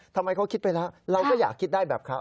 ทำไมเขาคิดไปแล้วเราก็อยากคิดได้แบบเขา